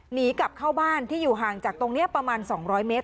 หนีกลับเข้าบ้านที่อยู่ห่างจากตรงนี้ประมาณ๒๐๐เมตร